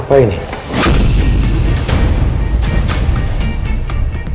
pak silahkan duduk pak